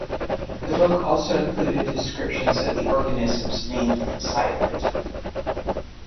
The book also included descriptions of the organisms named inside of it.